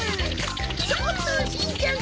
ちょっとしんちゃん